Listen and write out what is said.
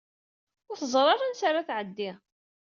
Ur teẓṛi ara ansa ara tɛeddi.